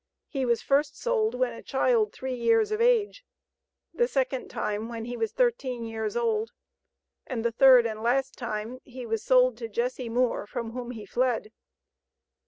He was first sold when a child three years of age, the second time when he was thirteen years old, and the third and last time he was sold to Jesse Moore, from whom he fled.